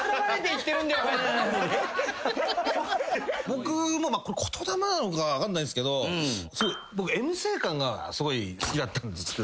僕も言霊なのか分かんないですけどＭ性感がすごい好きだったんです。